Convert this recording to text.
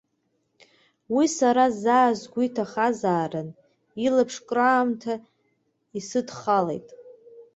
Уи сара заа сгәеиҭахьазаарын, илаԥш кыраамҭа иаасыдхалеит.